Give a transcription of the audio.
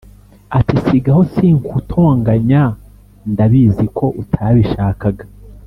ati"sigaho sinkutonganya ndabiziko utabishakaga"